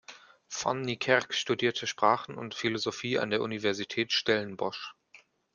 Van Niekerk studierte Sprachen und Philosophie an der Universität Stellenbosch.